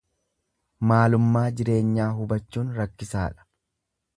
Maalummaa jireenyaa hubachuun rakkisaadha.